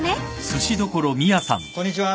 こんにちは。